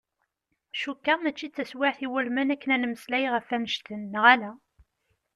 Cukkuɣ mačči d taswiεt iwulmen akken ad nmeslay ɣef annect-n, neɣ ala?